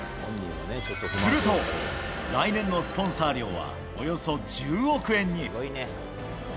すると、来年のスポンサー料はおよそ１０億円に。